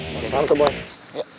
salam tuh boy